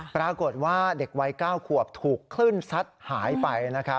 ปรากฏว่าเด็กวัย๙ขวบถูกคลื่นซัดหายไป